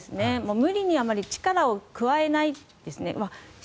無理にあまり力を加えないんですね。